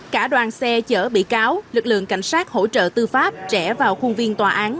cả đoàn xe chở bị cáo lực lượng cảnh sát hỗ trợ tư pháp trẻ vào khuôn viên tòa án